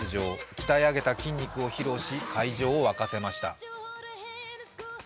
鍛え上げた筋肉を披露し会場を沸かせました。